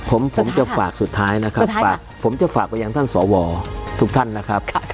ผมจะฝากสุดท้ายนะครับผมจะฝากกับอย่างท่านสวทุกท่านนะครับ